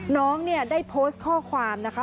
น้องเนี่ยได้โพสต์ข้อความนะคะ